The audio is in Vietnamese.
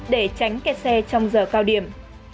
để tránh kẹt xe trong giờ cao điểm